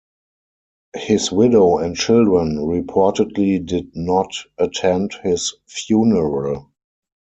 His widow and children reportedly did not attend his funeral.